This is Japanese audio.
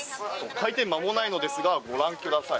開店まもないのですがご覧ください。